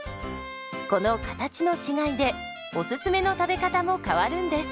この形の違いでおすすめの食べ方も変わるんです。